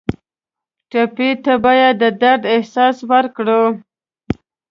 ټپي ته باید د درد احساس درکړو.